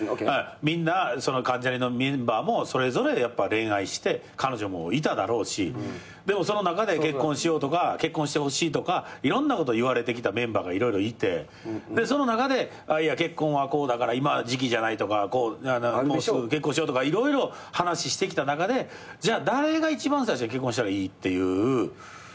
みんな関ジャニのメンバーもそれぞれ恋愛して彼女もいただろうしでもその中で結婚しようとか結婚してほしいとかいろんなこと言われてきたメンバーが色々いてその中で結婚はこうだから今は時期じゃないとかもうすぐ結婚しようとか色々話してきた中でじゃ誰が一番最初に結婚したらいいっていう。